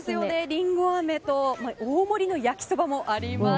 リンゴあめと大盛りの焼きそばもあります。